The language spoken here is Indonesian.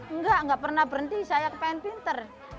enggak enggak pernah berhenti saya ingin pintar